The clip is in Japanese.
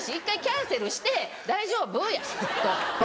１回キャンセルして「大丈夫？」やと。